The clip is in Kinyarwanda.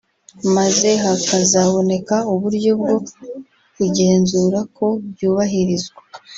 maze hakazaboneka uburyo bwo kugenzura ko byubahirizwa